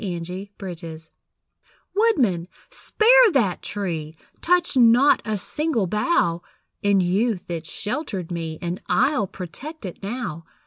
[See Notes] Woodman, spare that tree! Touch not a single bough! In youth it sheltered me, And I'll protect it now.